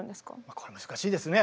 これ難しいですね。